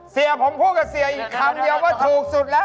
เสียผมพูดกับเสียอีกคำเดียวว่าถูกสุดแล้ว